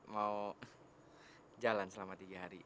mau jalan selama tiga hari